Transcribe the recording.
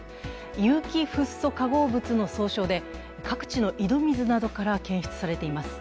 有機フッ素化合物の総称で各地の井戸水などから検出されています。